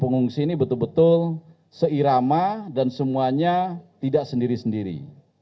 pengungsi ini betul betul seirama dan semuanya tidak sendiri sendiri